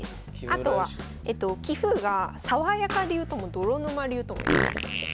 あとは棋風がさわやか流とも泥沼流ともいわれる先生。